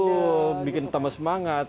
betul bikin tambah semangat